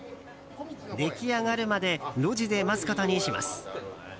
出来上がるまで路地で待つことにします。